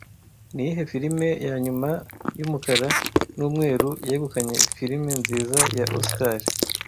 Niyihe filime yanyuma yumukara numweru yegukanye film nziza ya Oscar